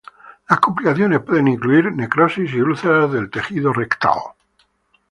Las complicaciones pueden incluir necrosis y úlceras del tejido rectal.